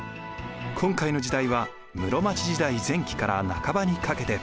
今回の時代は室町時代前期から半ばにかけて。